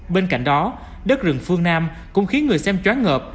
bên cạnh đó đất rừng phương nam cũng khiến người xem chóa ngợp